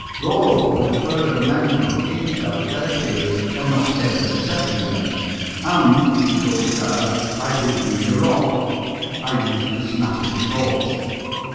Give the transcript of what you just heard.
Rollo offered the further amendment that he himself then appeared and knocked Heywood 2d down. "And," he told the child, "I didn't need a rock. I used a snappy retort."